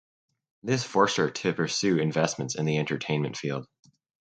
This forced her to pursue investments in the entertainment field.